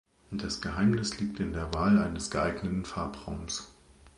Das Geheimnis liegt in der Wahl eines geeigneten Farbraums.